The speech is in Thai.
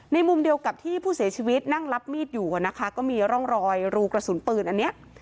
มุมเดียวกับที่ผู้เสียชีวิตนั่งรับมีดอยู่อ่ะนะคะก็มีร่องรอยรูกระสุนปืนอันเนี้ย